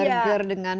ada burger dengan manis